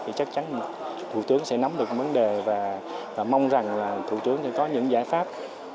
thì chắc chắn thủ tướng sẽ nắm được vấn đề và mong rằng là thủ tướng sẽ có những giải pháp